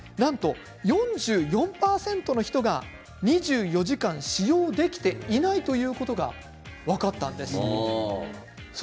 ４４％の人が２４時間使用できていないということが分かったんです。